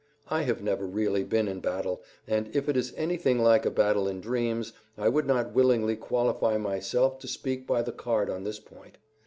I have never really been in battle, and if it is anything like a battle in dreams I would not willingly qualify myself to speak by the card on this point.